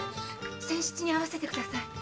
仙七に会わせてください。